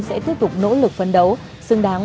sẽ tiếp tục nỗ lực phấn đấu xứng đáng